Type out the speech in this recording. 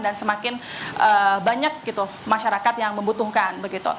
dan semakin banyak masyarakat yang membutuhkan